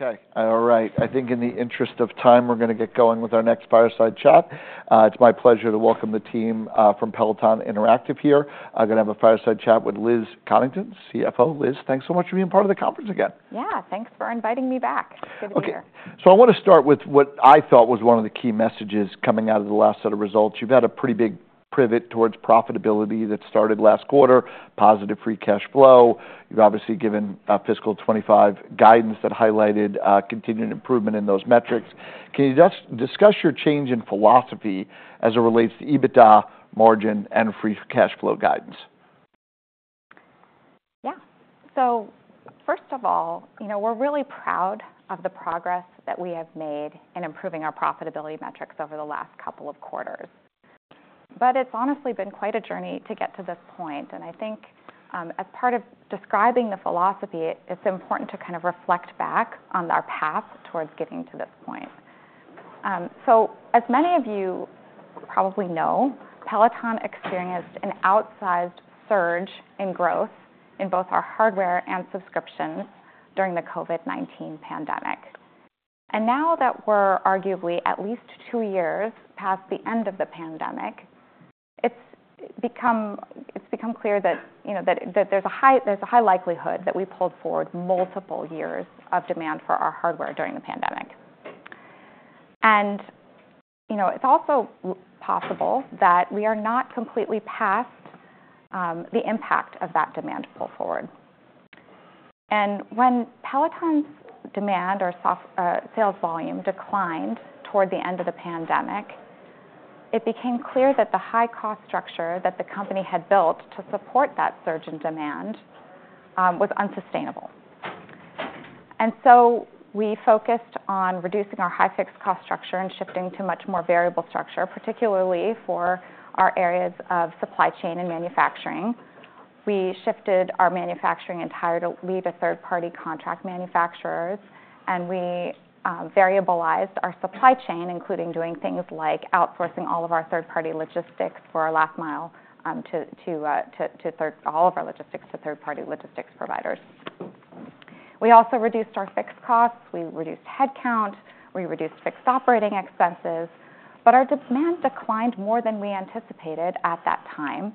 Okay. All right. I think in the interest of time, we're gonna get going with our next fireside chat. It's my pleasure to welcome the team from Peloton Interactive here. I'm gonna have a fireside chat with Liz Coddington, CFO. Liz, thanks so much for being part of the conference again. Yeah, thanks for inviting me back. Good to be here. Okay, so I wanna start with what I thought was one of the key messages coming out of the last set of results. You've had a pretty big pivot towards profitability that started last quarter, positive free cash flow. You've obviously given fiscal 2025 guidance that highlighted continued improvement in those metrics. Can you just discuss your change in philosophy as it relates to EBITDA margin and free cash flow guidance? Yeah. So first of all, you know, we're really proud of the progress that we have made in improving our profitability metrics over the last couple of quarters. But it's honestly been quite a journey to get to this point, and I think, as part of describing the philosophy, it's important to kind of reflect back on our path towards getting to this point. So as many of you probably know, Peloton experienced an outsized surge in growth in both our hardware and subscriptions during the COVID-19 pandemic. And now that we're arguably at least two years past the end of the pandemic, it's become clear that, you know, that there's a high likelihood that we pulled forward multiple years of demand for our hardware during the pandemic. You know, it's also possible that we are not completely past the impact of that demand pull forward. When Peloton's demand was soft, sales volume declined toward the end of the pandemic, it became clear that the high cost structure that the company had built to support that surge in demand was unsustainable, so we focused on reducing our high fixed cost structure and shifting to much more variable structure, particularly for our areas of supply chain and manufacturing. We shifted our manufacturing entirely to third-party contract manufacturers, and we variabilized our supply chain, including doing things like outsourcing all of our logistics to third-party logistics providers. We also reduced our fixed costs, we reduced headcount, we reduced fixed operating expenses, but our demand declined more than we anticipated at that time,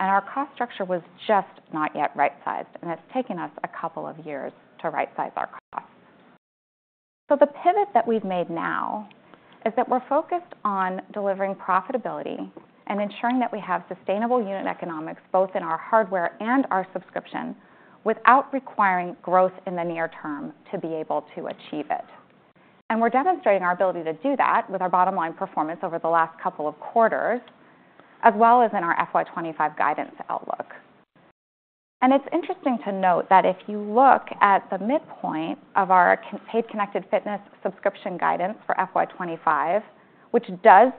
and our cost structure was just not yet right-sized, and it's taken us a couple of years to rightsize our costs. So the pivot that we've made now is that we're focused on delivering profitability and ensuring that we have sustainable unit economics, both in our hardware and our subscription, without requiring growth in the near term to be able to achieve it. And we're demonstrating our ability to do that with our bottom line performance over the last couple of quarters, as well as in our FY2025 guidance outlook. It's interesting to note that if you look at the midpoint of our Connected Fitness subscription guidance for FY2025, which does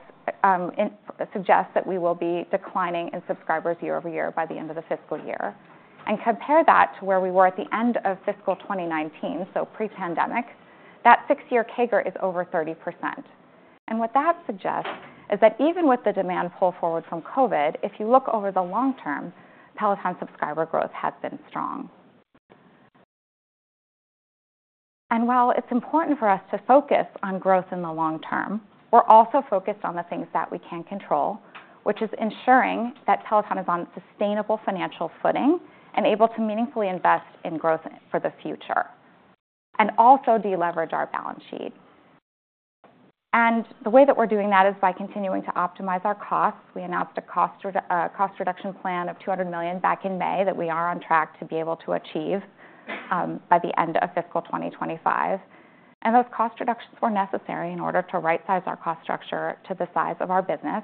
suggest that we will be declining in subscribers year over year by the end of the fiscal year, and compare that to where we were at the end of fiscal 2019, so pre-pandemic, that six-year CAGR is over 30%. What that suggests is that even with the demand pull forward from COVID, if you look over the long term, Peloton subscriber growth has been strong. While it's important for us to focus on growth in the long term, we're also focused on the things that we can control, which is ensuring that Peloton is on sustainable financial footing and able to meaningfully invest in growth for the future, and also de-leverage our balance sheet. The way that we're doing that is by continuing to optimize our costs. We announced a cost reduction plan of $200 million back in May, that we are on track to be able to achieve by the end of fiscal 2025. Those cost reductions were necessary in order to rightsize our cost structure to the size of our business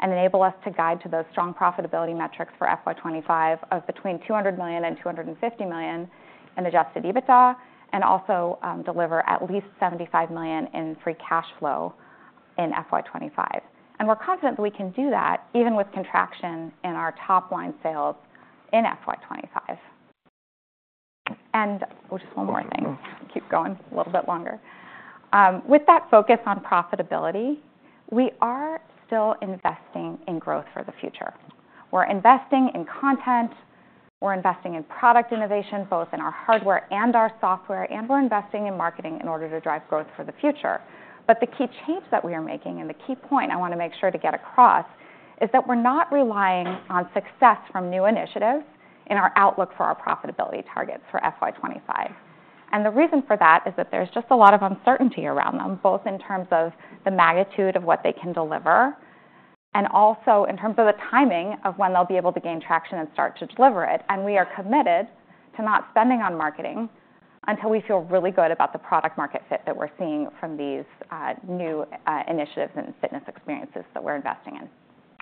and enable us to guide to those strong profitability metrics for FY2025 of between $200 million and $250 million in Adjusted EBITDA, and also deliver at least $75 million in free cash flow in FY2025. We're confident that we can do that even with contraction in our top-line sales in FY2025. Just one more thing, keep going a little bit longer. With that focus on profitability, we are still investing in growth for the future. We're investing in content, we're investing in product innovation, both in our hardware and our software, and we're investing in marketing in order to drive growth for the future. But the key change that we are making, and the key point I wanna make sure to get across, is that we're not relying on success from new initiatives in our outlook for our profitability targets for FY2025. And the reason for that is that there's just a lot of uncertainty around them, both in terms of the magnitude of what they can deliver and also in terms of the timing of when they'll be able to gain traction and start to deliver it. And we are committed to not spending on marketing until we feel really good about the product market fit that we're seeing from these new initiatives and fitness experiences that we're investing in.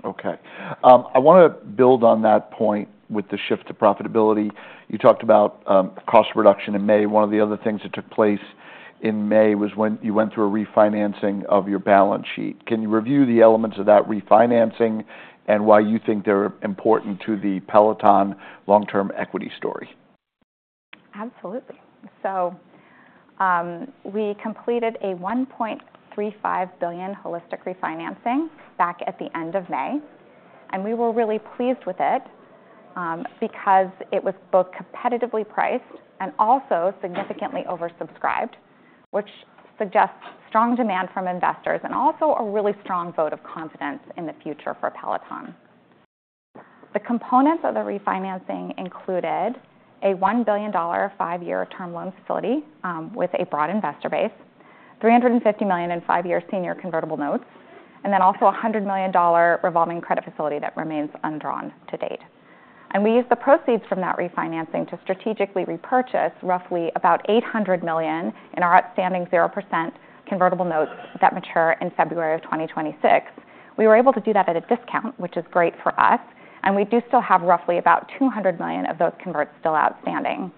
Okay. I wanna build on that point with the shift to profitability. You talked about, cost reduction in May. One of the other things that took place in May was when you went through a refinancing of your balance sheet. Can you review the elements of that refinancing and why you think they're important to the Peloton long-term equity story? Absolutely. So, we completed a $1.35 billion holistic refinancing back at the end of May, and we were really pleased with it, because it was both competitively priced and also significantly oversubscribed, which suggests strong demand from investors and also a really strong vote of confidence in the future for Peloton. The components of the refinancing included: a $1 billion five-year term loan facility with a broad investor base, $350 million in five-year senior convertible notes, and then also a $100 million revolving credit facility that remains undrawn to date, and we used the proceeds from that refinancing to strategically repurchase roughly about $800 million in our outstanding 0% convertible notes that mature in February of 2026. We were able to do that at a discount, which is great for us, and we do still have roughly about $200 million of those converts still outstanding.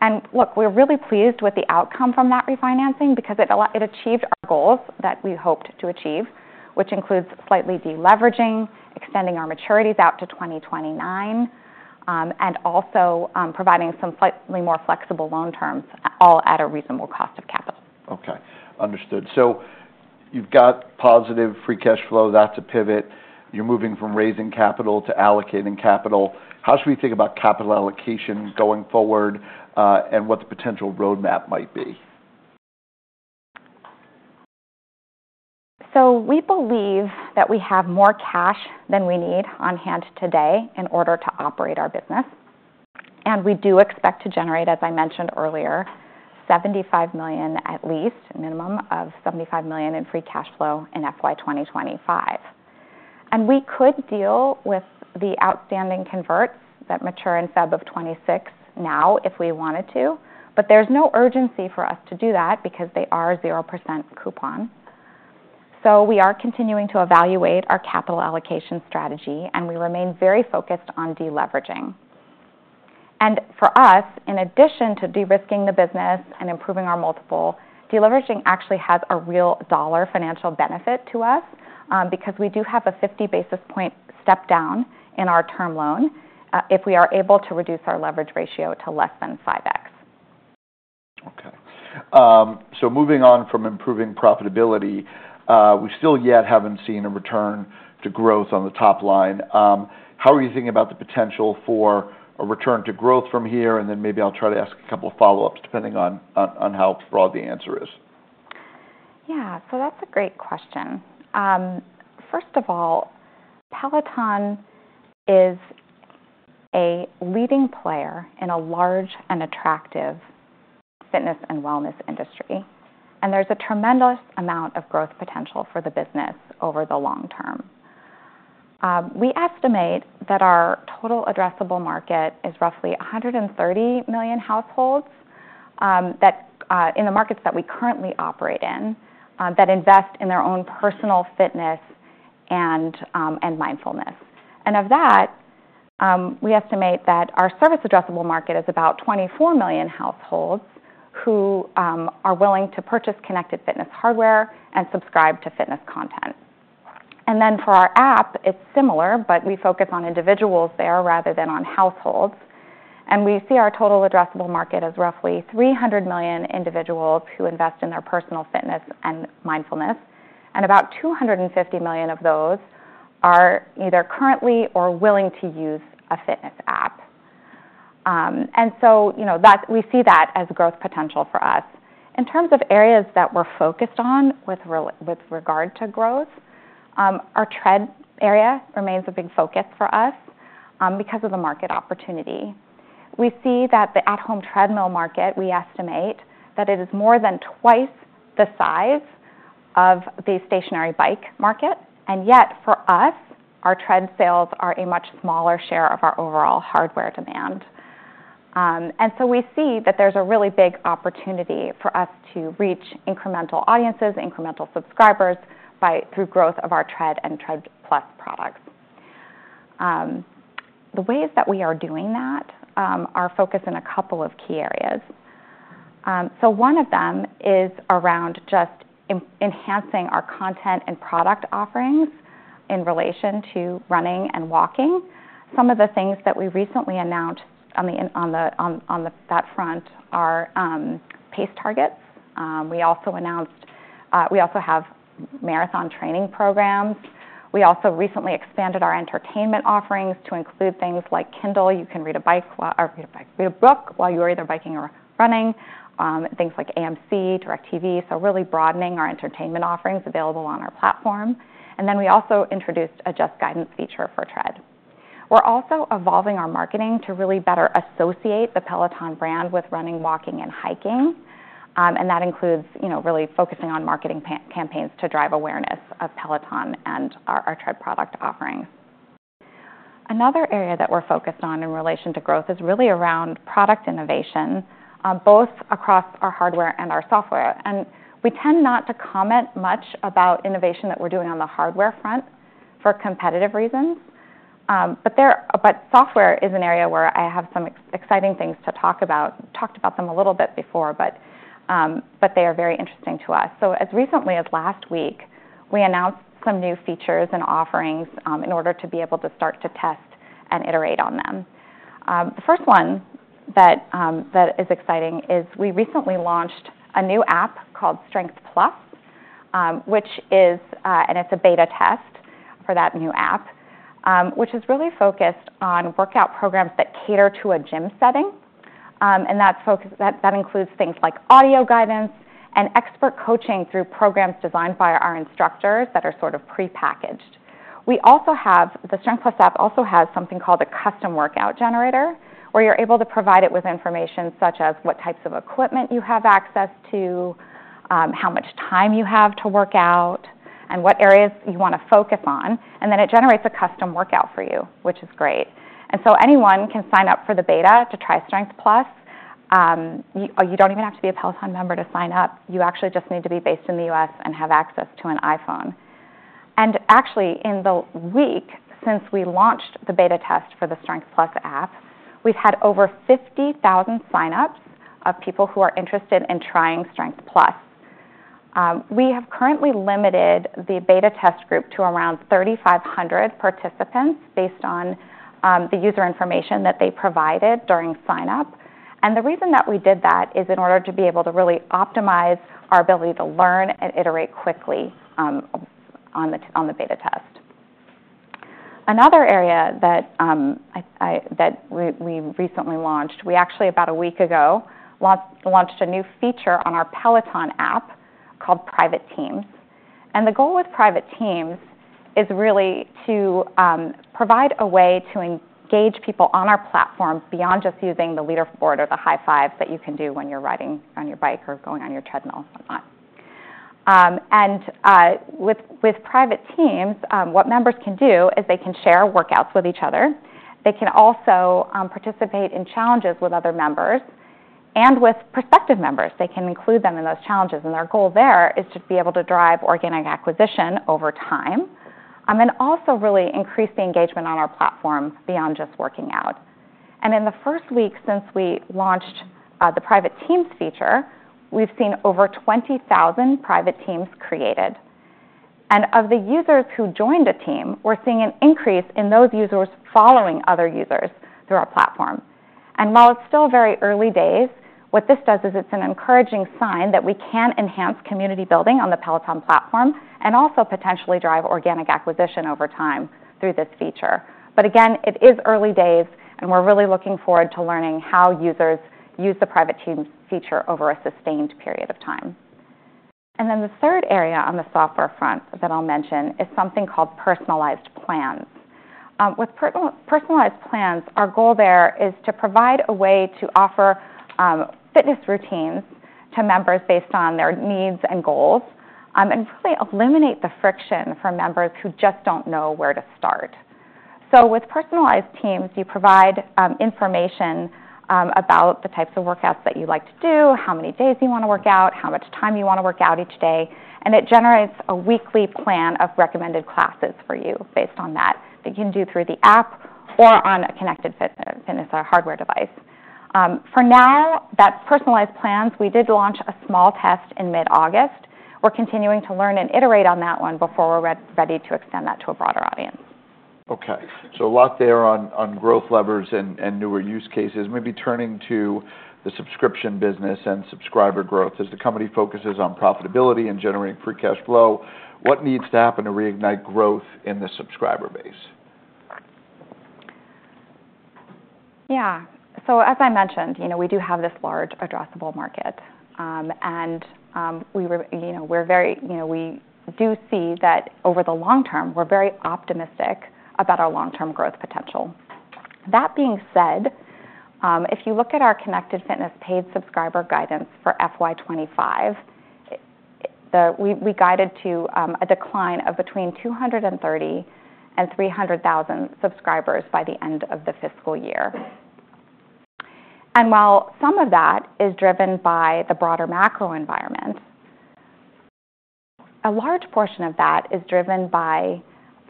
And look, we're really pleased with the outcome from that refinancing because it achieved our goals that we hoped to achieve, which includes slightly deleveraging, extending our maturities out to 2029, and also providing some slightly more flexible loan terms, all at a reasonable cost of capital. Okay, understood. So you've got positive Free Cash Flow. That's a pivot. You're moving from raising capital to allocating capital. How should we think about capital allocation going forward, and what the potential roadmap might be? We believe that we have more cash than we need on hand today in order to operate our business, and we do expect to generate, as I mentioned earlier, at least $75 million, a minimum of $75 million in free cash flow in FY2025. We could deal with the outstanding converts that mature in February of 2026 now, if we wanted to, but there's no urgency for us to do that because they are 0% coupon. We are continuing to evaluate our capital allocation strategy, and we remain very focused on deleveraging. And for us, in addition to de-risking the business and improving our multiple, deleveraging actually has a real dollar financial benefit to us, because we do have a 50 basis point step down in our term loan, if we are able to reduce our leverage ratio to less than 5x. Okay. So moving on from improving profitability, we still yet haven't seen a return to growth on the top line. How are you thinking about the potential for a return to growth from here? And then maybe I'll try to ask a couple of follow-ups, depending on how broad the answer is. Yeah. So that's a great question. First of all, Peloton is a leading player in a large and attractive fitness and wellness industry, and there's a tremendous amount of growth potential for the business over the long term. We estimate that our total addressable market is roughly a hundred and thirty million households that in the markets that we currently operate in that invest in their own personal fitness and mindfulness. And of that, we estimate that our service addressable market is about twenty-four million households who are willing to purchase connected fitness hardware and subscribe to fitness content. And then for our app, it's similar, but we focus on individuals there rather than on households, and we see our total addressable market as roughly three hundred million individuals who invest in their personal fitness and mindfulness, and about two hundred and fifty million of those are either currently or willing to use a fitness app. And so, you know, that we see that as growth potential for us. In terms of areas that we're focused on with regard to growth, our Tread area remains a big focus for us, because of the market opportunity. We see that the at-home treadmill market, we estimate, that it is more than twice the size of the stationary bike market, and yet for us, our Tread sales are a much smaller share of our overall hardware demand. And so we see that there's a really big opportunity for us to reach incremental audiences, incremental subscribers, through growth of our Tread and Tread+ products. The ways that we are doing that are focused in a couple of key areas. One of them is around just enhancing our content and product offerings in relation to running and walking. Some of the things that we recently announced on that front are Pace Targets. We also have marathon training programs. We also recently expanded our entertainment offerings to include things like Kindle. You can read a book while you are either biking or running. Things like AMC, DirecTV, so really broadening our entertainment offerings available on our platform. And then we also introduced a GPS guidance feature for Tread. We're also evolving our marketing to really better associate the Peloton brand with running, walking, and hiking, and that includes, you know, really focusing on marketing campaigns to drive awareness of Peloton and our Tread product offerings. Another area that we're focused on in relation to growth is really around product innovation, both across our hardware and our software. We tend not to comment much about innovation that we're doing on the hardware front for competitive reasons. But software is an area where I have some exciting things to talk about. Talked about them a little bit before, but they are very interesting to us. So as recently as last week, we announced some new features and offerings in order to be able to start to test and iterate on. The first one that is exciting is we recently launched a new app called Strength+, and it's a beta test for that new app, which is really focused on workout programs that cater to a gym setting, and that includes things like audio guidance and expert coaching through programs designed by our instructors that are sort of prepackaged. We also have the Strength+ app also has something called a Custom Workout Generator, where you're able to provide it with information such as what types of equipment you have access to, how much time you have to work out, and what areas you want to focus on, and then it generates a custom workout for you, which is great. And so anyone can sign up for the beta to try Strength+. You don't even have to be a Peloton member to sign up. You actually just need to be based in the U.S. and have access to an iPhone. And actually, in the week since we launched the beta test for the Strength+ app, we've had over 50,000 sign-ups of people who are interested in trying Strength+. We have currently limited the beta test group to around 3,500 participants based on the user information that they provided during sign-up, and the reason that we did that is in order to be able to really optimize our ability to learn and iterate quickly on the beta test. Another area that we recently launched, we actually, about a week ago, launched a new feature on our Peloton App called Private Teams, and the goal with Private Teams is really to provide a way to engage people on our platform beyond just using the leaderboard or the high fives that you can do when you're riding on your bike or going on your treadmill or whatnot, and with Private Teams, what members can do is they can share workouts with each other. They can also participate in challenges with other members and with prospective members. They can include them in those challenges, and our goal there is to be able to drive organic acquisition over time, and also really increase the engagement on our platform beyond just working out. And in the first week since we launched the Private Teams feature, we've seen over 20,000 private teams created. And of the users who joined a team, we're seeing an increase in those users following other users through our platform. And while it's still very early days, what this does is it's an encouraging sign that we can enhance community building on the Peloton platform and also potentially drive organic acquisition over time through this feature. But again, it is early days, and we're really looking forward to learning how users use the Private Teams feature over a sustained period of time, and then the third area on the software front that I'll mention is something called Personalized Plans. With Personalized Plans, our goal there is to provide a way to offer fitness routines to members based on their needs and goals, and really eliminate the friction for members who just don't know where to start. So with Personalized Plans, you provide information about the types of workouts that you like to do, how many days you want to work out, how much time you want to work out each day, and it generates a weekly plan of recommended classes for you based on that, that you can do through the app or on a connected fitness hardware device. For now, that Personalized Plans, we did launch a small test in mid-August. We're continuing to learn and iterate on that one before we're ready to extend that to a broader audience. Okay. So a lot there on growth levers and newer use cases. Maybe turning to the subscription business and subscriber growth. As the company focuses on profitability and generating Free Cash Flow, what needs to happen to reignite growth in the subscriber base? Yeah. So as I mentioned, you know, we do have this large addressable market. And, we do see that over the long term, we're very optimistic about our long-term growth potential. That being said, if you look at our Connected Fitness paid subscriber guidance for FY2025, it, the-- we guided to a decline of between 230,000 and 300,000 subscribers by the end of the fiscal year. And while some of that is driven by the broader macro environment, a large portion of that is driven by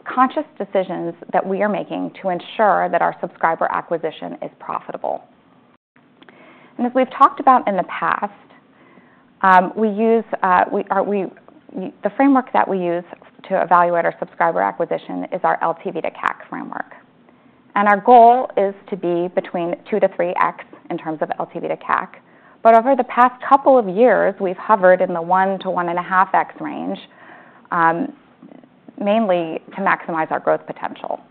conscious decisions that we are making to ensure that our subscriber acquisition is profitable. As we've talked about in the past, the framework that we use to evaluate our subscriber acquisition is our LTV to CAC framework, and our goal is to be between 2-3x in terms of LTV to CAC. Over the past couple of years, we've hovered in the 1-1.5x range, mainly to maximize our growth potential.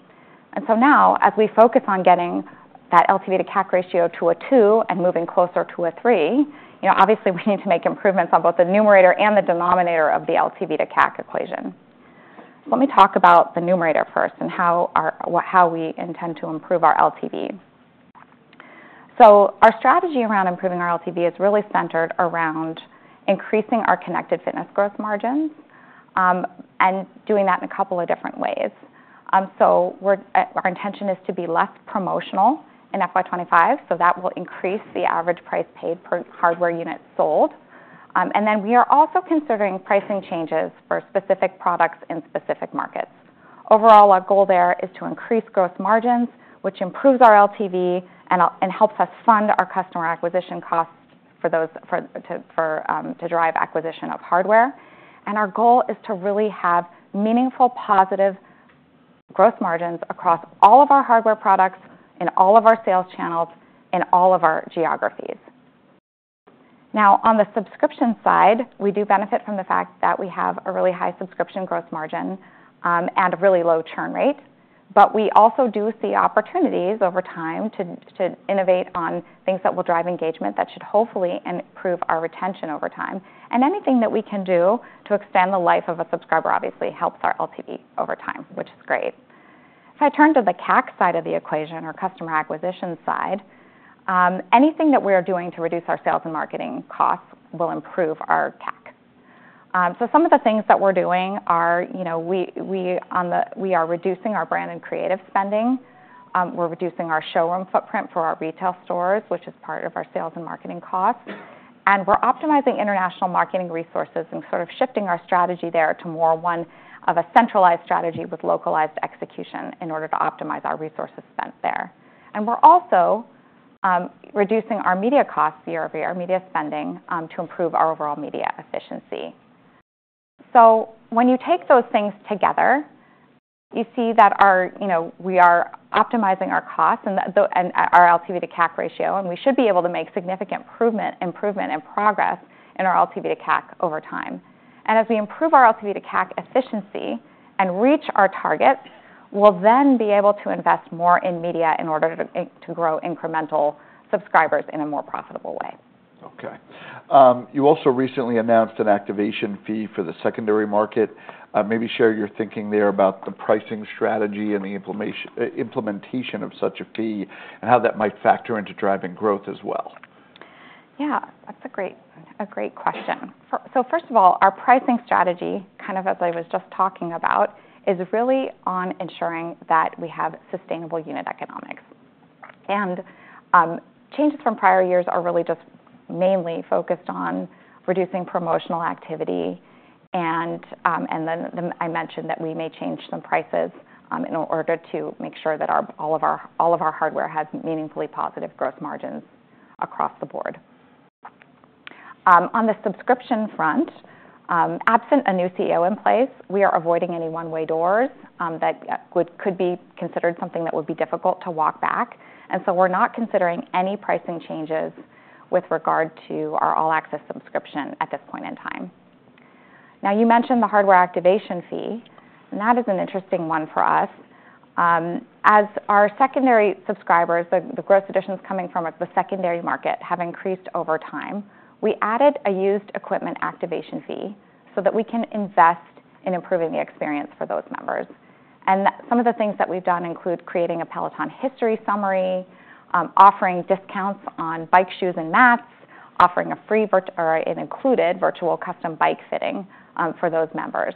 So now, as we focus on getting that LTV to CAC ratio to 2x and moving closer to 3x, you know, obviously, we need to make improvements on both the numerator and the denominator of the LTV to CAC equation. Let me talk about the numerator first and how we intend to improve our LTV. So our strategy around improving our LTV is really centered around increasing our connected fitness growth margins, and doing that in a couple of different ways. Our intention is to be less promotional in FY2025, so that will increase the average price paid per hardware unit sold. And then we are also considering pricing changes for specific products in specific markets. Overall, our goal there is to increase growth margins, which improves our LTV and helps us fund our customer acquisition costs to drive acquisition of hardware. And our goal is to really have meaningful positive growth margins across all of our hardware products, in all of our sales channels, in all of our geographies. Now, on the subscription side, we do benefit from the fact that we have a really high subscription growth margin, and a really low churn rate. But we also do see opportunities over time to innovate on things that will drive engagement, that should hopefully improve our retention over time. And anything that we can do to extend the life of a subscriber obviously helps our LTV over time, which is great. If I turn to the CAC side of the equation or customer acquisition side, anything that we are doing to reduce our sales and marketing costs will improve our CAC. So some of the things that we're doing are, you know, we are reducing our brand and creative spending. We're reducing our showroom footprint for our retail stores, which is part of our sales and marketing costs. And we're optimizing international marketing resources and sort of shifting our strategy there to more one of a centralized strategy with localized execution in order to optimize our resources spent there. And we're also reducing our media costs year-over-year, our media spending, to improve our overall media efficiency. So when you take those things together, you see that our, you know, we are optimizing our costs and our LTV to CAC ratio, and we should be able to make significant improvement and progress in our LTV to CAC over time. And as we improve our LTV to CAC efficiency and reach our targets, we'll then be able to invest more in media in order to grow incremental subscribers in a more profitable way. Okay. You also recently announced an activation fee for the secondary market. Maybe share your thinking there about the pricing strategy and the implementation of such a fee, and how that might factor into driving growth as well? Yeah, that's a great, a great question. So first of all, our pricing strategy, kind of as I was just talking about, is really on ensuring that we have sustainable unit economics. And changes from prior years are really just mainly focused on reducing promotional activity. And then I mentioned that we may change some prices in order to make sure that all of our hardware has meaningfully positive growth margins across the board. On the subscription front, absent a new CEO in place, we are avoiding any one-way doors that could be considered something that would be difficult to walk back. And so we're not considering any pricing changes with regard to our All Access subscription at this point in time. Now, you mentioned the hardware activation fee, and that is an interesting one for us. As our secondary subscribers, the growth additions coming from the secondary market have increased over time. We added a used equipment activation fee so that we can invest in improving the experience for those members. And some of the things that we've done include creating a Peloton history summary, offering discounts on bike shoes and mats, offering a free or an included virtual custom bike fitting for those members.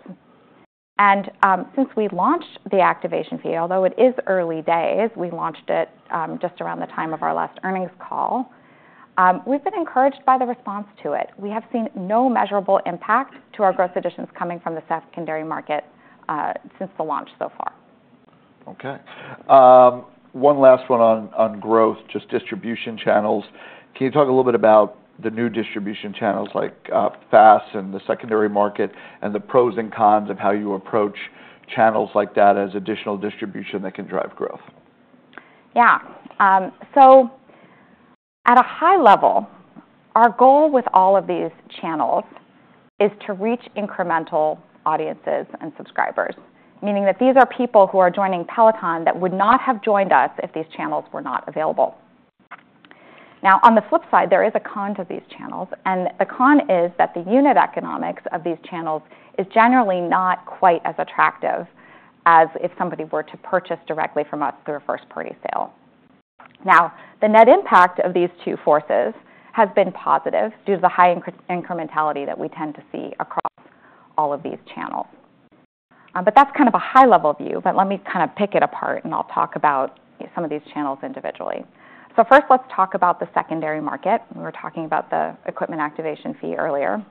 And since we launched the activation fee, although it is early days, we launched it just around the time of our last earnings call, we've been encouraged by the response to it. We have seen no measurable impact to our growth additions coming from the secondary market since the launch so far. Okay. One last one on growth, just distribution channels. Can you talk a little bit about the new distribution channels like FaaS and the secondary market, and the pros and cons of how you approach channels like that as additional distribution that can drive growth? Yeah, so at a high level, our goal with all of these channels is to reach incremental audiences and subscribers, meaning that these are people who are joining Peloton that would not have joined us if these channels were not available. Now, on the flip side, there is a con to these channels, and the con is that the unit economics of these channels is generally not quite as attractive as if somebody were to purchase directly from us through a first-party sale. Now, the net impact of these two forces has been positive due to the high incrementality that we tend to see across all of these channels, but that's kind of a high-level view, but let me kind of pick it apart and I'll talk about some of these channels individually, so first, let's talk about the secondary market. We were talking about the equipment activation fee earlier.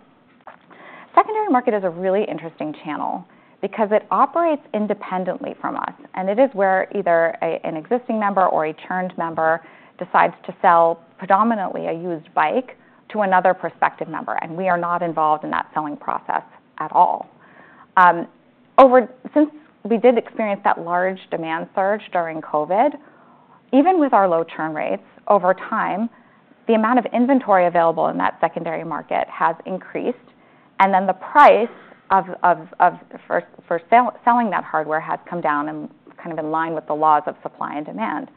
secondary market is a really interesting channel because it operates independently from us, and it is where either an existing member or a churned member decides to sell predominantly a used bike to another prospective member, and we are not involved in that selling process at all. Since we did experience that large demand surge during COVID, even with our low churn rates, over time, the amount of inventory available in that secondary market has increased, and then the price for selling that hardware has come down and kind of in line with the laws of supply and demand.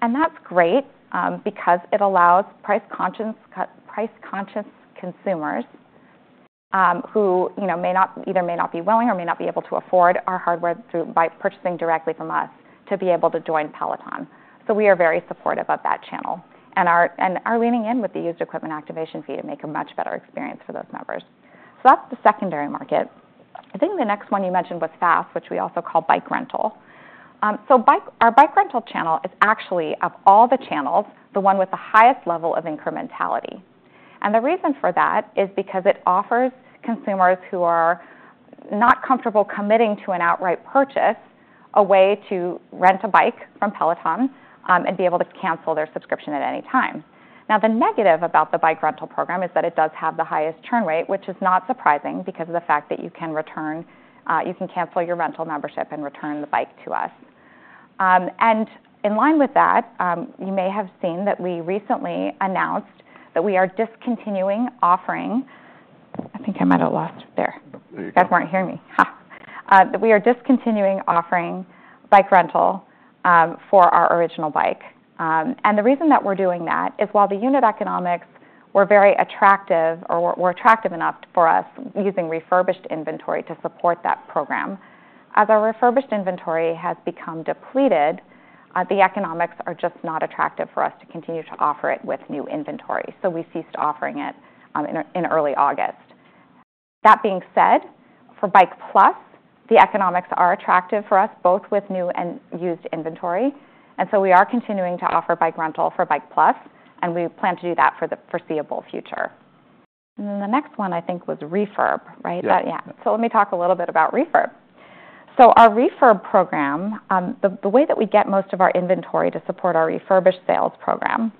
That's great, because it allows price-conscious consumers, who, you know, may not be willing or may not be able to afford our hardware by purchasing directly from us, to be able to join Peloton. So we are very supportive of that channel and are leaning in with the used equipment activation fee to make a much better experience for those members. So that's the secondary market. I think the next one you mentioned was FaaS, which we also call bike rental. So our bike rental channel is actually, of all the channels, the one with the highest level of incrementality. And the reason for that is because it offers consumers who are not comfortable committing to an outright purchase, a way to rent a bike from Peloton, and be able to cancel their subscription at any time. Now, the negative about the bike rental program is that it does have the highest churn rate, which is not surprising because of the fact that you can return, you can cancel your rental membership and return the bike to us. And in line with that, you may have seen that we recently announced that we are discontinuing offering. There you go. You guys won't hear me. Ha! that we are discontinuing offering Bike Rental for our original Bike. And the reason that we're doing that is, while the unit economics were very attractive, or were attractive enough for us using refurbished inventory to support that program, as our refurbished inventory has become depleted, the economics are just not attractive for us to continue to offer it with new inventory. So we ceased offering it in early August. That being said, for Bike+, the economics are attractive for us, both with new and used inventory, and so we are continuing to offer Bike Rental for Bike+, and we plan to do that for the foreseeable future. And then the next one, I think, was refurb, right? Yeah. Yeah. So let me talk a little bit about refurb. So our refurb program, the way that we get most of our inventory to support our refurbished sales program,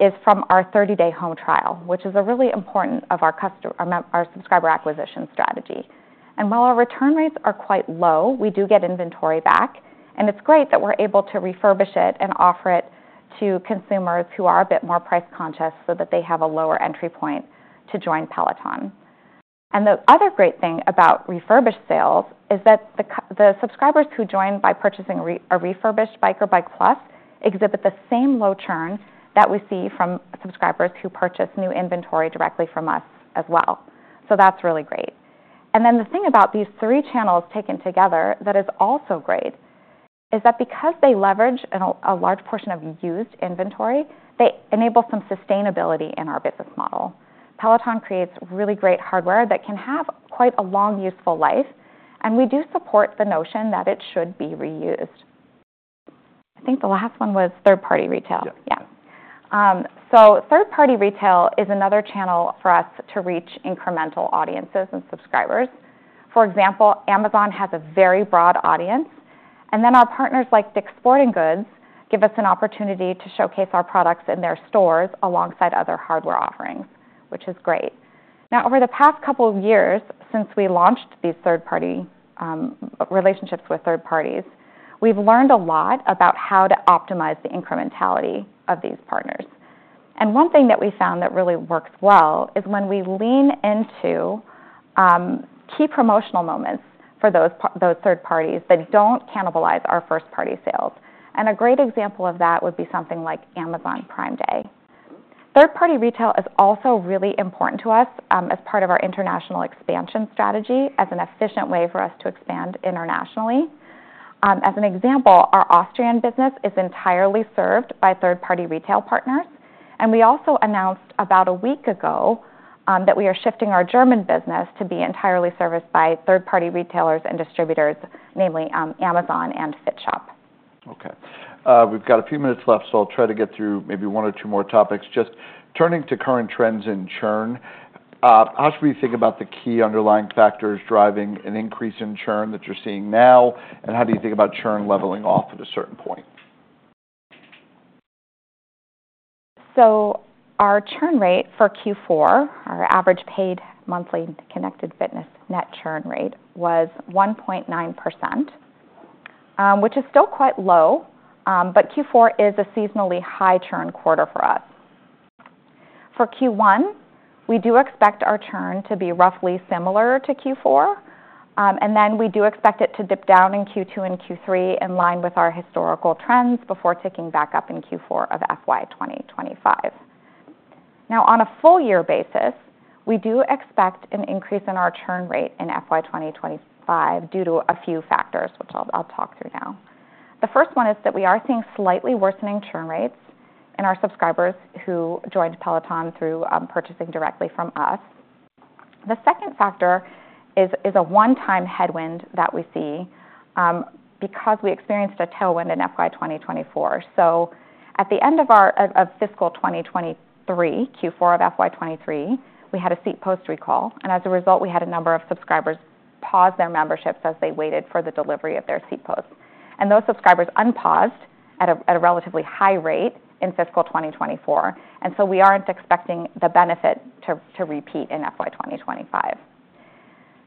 is from our thirty-day home trial, which is a really important part of our subscriber acquisition strategy. And while our return rates are quite low, we do get inventory back, and it's great that we're able to refurbish it and offer it to consumers who are a bit more price-conscious, so that they have a lower entry point to join Peloton. And the other great thing about refurbished sales is that the subscribers who join by purchasing a refurbished bike or Bike+ exhibit the same low churn that we see from subscribers who purchase new inventory directly from us as well. So that's really great. And then the thing about these three channels taken together that is also great is that because they leverage a large portion of used inventory, they enable some sustainability in our business model. Peloton creates really great hardware that can have quite a long, useful life, and we do support the notion that it should be reused. I think the last one was third-party retail. Yeah. Yeah. So third-party retail is another channel for us to reach incremental audiences and subscribers. For example, Amazon has a very broad audience, and then our partners, like Dick's Sporting Goods, give us an opportunity to showcase our products in their stores alongside other hardware offerings, which is great. Now, over the past couple of years, since we launched these third-party relationships with third parties, we've learned a lot about how to optimize the incrementality of these partners. And one thing that we found that really works well is when we lean into key promotional moments for those third parties that don't cannibalize our first-party sales. And a great example of that would be something like Amazon Prime Day. Third-party retail is also really important to us, as part of our international expansion strategy, as an efficient way for us to expand internationally. As an example, our Austrian business is entirely served by third-party retail partners, and we also announced about a week ago that we are shifting our German business to be entirely serviced by third-party retailers and distributors, namely, Amazon and Fitshop. Okay. We've got a few minutes left, so I'll try to get through maybe one or two more topics. Just turning to current trends in churn, how should we think about the key underlying factors driving an increase in churn that you're seeing now, and how do you think about churn leveling off at a certain point? So our churn rate for Q4, our average paid monthly connected fitness net churn rate, was 1.9%, which is still quite low, but Q4 is a seasonally high churn quarter for us. For Q1, we do expect our churn to be roughly similar to Q4, and then we do expect it to dip down in Q2 and Q3, in line with our historical trends, before ticking back up in Q4 of FY2025. Now, on a full year basis, we do expect an increase in our churn rate in FY2025 due to a few factors, which I'll talk through now. The first one is that we are seeing slightly worsening churn rates in our subscribers who joined Peloton through purchasing directly from us. The second factor is a one-time headwind that we see because we experienced a tailwind in FY2024. So at the end of our fiscal 2023, Q4 of 2023, we had a seat post recall, and as a result, we had a number of subscribers pause their memberships as they waited for the delivery of their seat posts. And those subscribers unpaused at a relatively high rate in fiscal 2024, and so we aren't expecting the benefit to repeat in FY2025.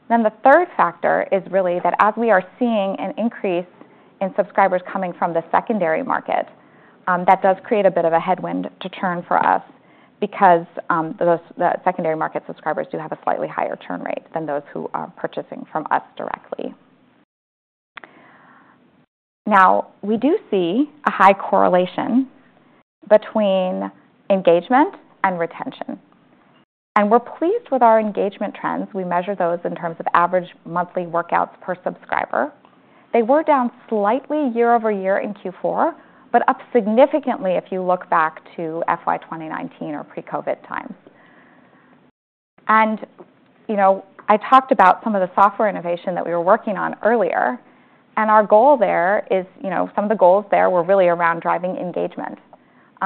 Then the third factor is really that as we are seeing an increase in subscribers coming from the secondary market, that does create a bit of a headwind to churn for us because the secondary market subscribers do have a slightly higher churn rate than those who are purchasing from us directly. Now, we do see a high correlation between engagement and retention, and we're pleased with our engagement trends. We measure those in terms of average monthly workouts per subscriber. They were down slightly year over year in Q4, but up significantly if you look back to FY2019 or pre-COVID times, and you know, I talked about some of the software innovation that we were working on earlier, and our goal there is, you know, some of the goals there were really around driving engagement,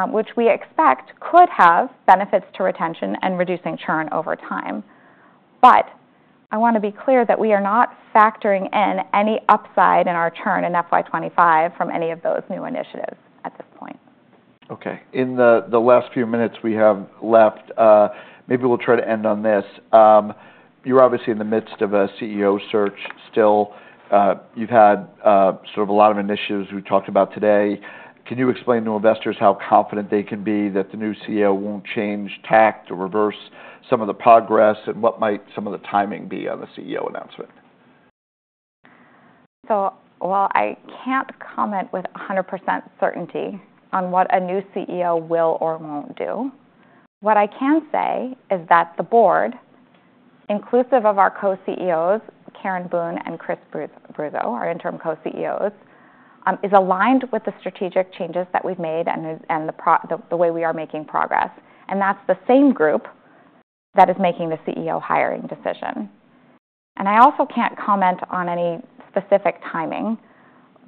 which we expect could have benefits to retention and reducing churn over time. But I want to be clear that we are not factoring in any upside in our churn in FY2025 from any of those new initiatives at this point. Okay. In the last few minutes we have left, maybe we'll try to end on this. You're obviously in the midst of a CEO search still. You've had sort of a lot of initiatives we talked about today. Can you explain to investors how confident they can be that the new CEO won't change tack to reverse some of the progress, and what might some of the timing be on the CEO announcement? So while I can't comment with 100% certainty on what a new CEO will or won't do, what I can say is that the board, inclusive of our co-CEOs, Karen Boone and Chris Bruzzo, our interim co-CEOs, is aligned with the strategic changes that we've made and the progress and the way we are making progress, and that's the same group that is making the CEO hiring decision. And I also can't comment on any specific timing,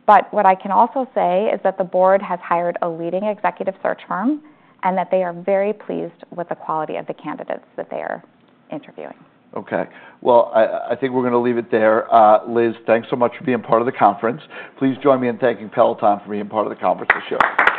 but what I can also say is that the board has hired a leading executive search firm, and that they are very pleased with the quality of the candidates that they are interviewing. Okay. I think we're gonna leave it there. Liz, thanks so much for being part of the conference. Please join me in thanking Peloton for being part of the conference this year.